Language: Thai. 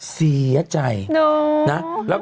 เสี๋ยท่า